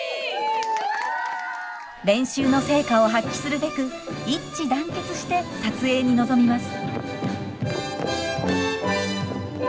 練習の成果を発揮するべく一致団結して撮影に臨みます。